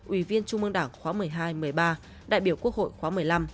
ủy viên trung mương đảng khóa một mươi hai một mươi ba đại biểu quốc hội khóa một mươi năm